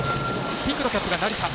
ピンクのキャップが成田。